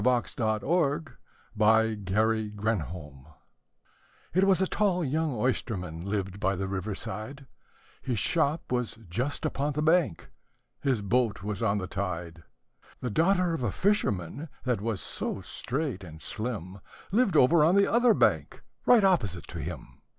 THE BALLAD OF THE OYSTERMAN IT was a tall young oysterman lived by the river side, His shop was just upon the bank, his boat was on the tide; The daughter of a fisherman, that was so straight and slim, Lived over on the other bank, right opposite to him.